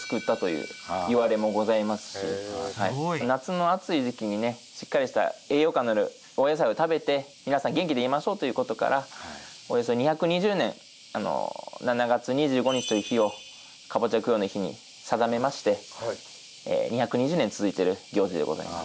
すごい夏の暑い時期にねしっかりした栄養価のあるお野菜を食べて皆さん元気でいましょうということからおよそ２２０年７月２５日という日をカボチャ供養の日に定めまして２２０年続いてる行事でございます。